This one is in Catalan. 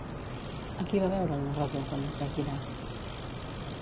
A qui va veure el narrador quan es va girar?